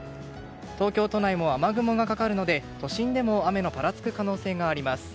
東京都内も雨雲がかかるので都心でも雨のぱらつく可能性があります。